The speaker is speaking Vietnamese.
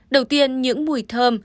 đầu tiên những mùi thơm